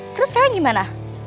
terus kalian gimana